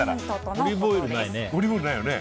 オリーブオイルないよね。